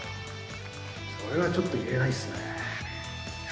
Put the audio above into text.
それはちょっと言えないですね。